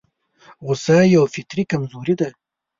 غوسه يوه فطري کمزوري ده.